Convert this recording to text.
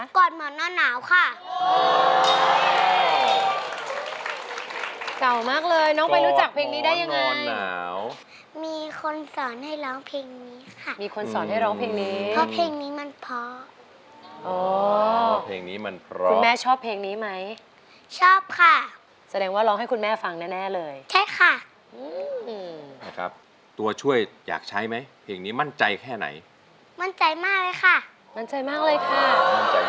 มีความรู้สึกว่ามีความรู้สึกว่ามีความรู้สึกว่ามีความรู้สึกว่ามีความรู้สึกว่ามีความรู้สึกว่ามีความรู้สึกว่ามีความรู้สึกว่ามีความรู้สึกว่ามีความรู้สึกว่ามีความรู้สึกว่ามีความรู้สึกว่ามีความรู้สึกว่ามีความรู้สึกว่ามีความรู้สึกว่ามีความรู้สึกว